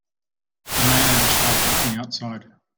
A man and a child walking outside.